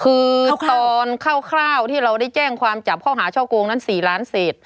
คือตอนคร่าวที่เราได้แจ้งความจับข้อหาช่อโกงนั้น๔ล้านเศษ